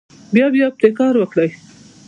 بیا بیا پرې کار وکړئ.